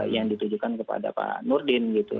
yang ditujukan kepada pak nurdin gitu